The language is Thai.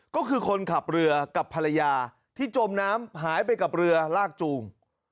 ก็คือคนขับเรือกับภรรยาที่จมน้ำหายไปกับเรือลากจูง